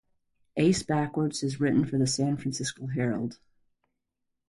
Ace Backwords has written for the "San Francisco Herald".